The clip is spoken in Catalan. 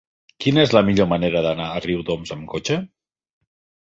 Quina és la millor manera d'anar a Riudoms amb cotxe?